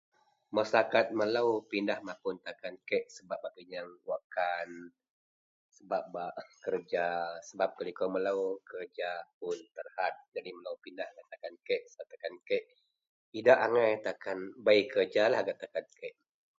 Masyarakat melou pindah mapun takan kek sebab bak pinyeang wakkan, sebab bak kereja, sebab gak likou melou kereja pun terhad, jadin melou pindah gak takan kek sebab gak takan kek idak angai takan bei kerejalah gak takan kek.